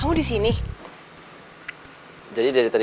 bukannya itu g